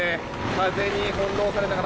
風に翻弄されている方。